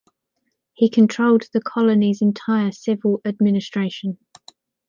He controlled the colony's entire civil administration.